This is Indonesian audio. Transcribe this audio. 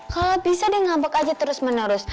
kalo bisa dia ngambek aja terus menerus